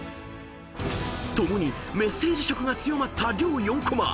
［共にメッセージ色が強まった両４コマ］